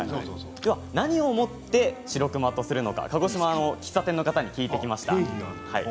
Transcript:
何をもってしろくまとするのか鹿児島の喫茶店の方に聞いてきました。